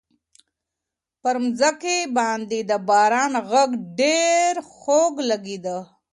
پر مځکي باندي د باران غږ ډېر خوږ لګېدی.